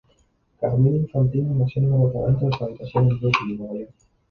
Carmine Infantino nació en el apartamento de su familia en Brooklyn, Nueva York.